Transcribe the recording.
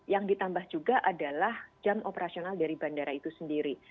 yang ditambah juga adalah jam operasional dari bandara itu sendiri